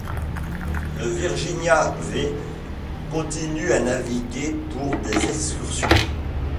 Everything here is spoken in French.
Le Virginia V continue à naviguer pour des excursions.